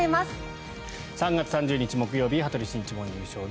３月３０日、木曜日「羽鳥慎一モーニングショー」。